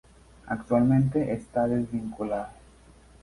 Actualmente está desvinculado.